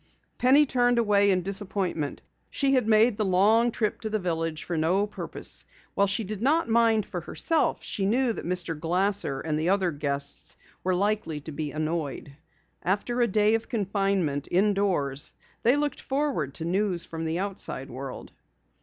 Penny turned away in disappointment. She had made the long trip to the village for no purpose. While she did not mind for herself, she knew that Mr. Glasser and the other guests were likely to be annoyed. After a day of confinement indoors they looked forward to news from the outside world.